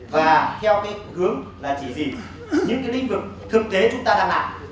và theo cái hướng là chỉ gì những cái lĩnh vực thực tế chúng ta đang làm